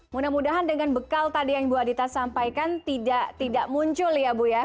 mudah mudahan dengan bekal tadi yang bu adita sampaikan tidak muncul ya bu ya